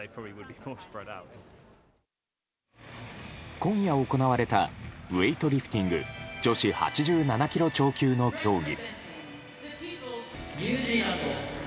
今夜、行われたウエイトリフティング女子８７ｋｇ超級の競技。